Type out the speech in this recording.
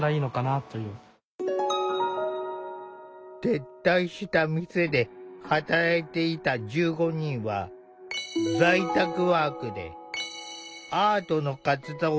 撤退した店で働いていた１５人は在宅ワークでアートの活動などに挑戦。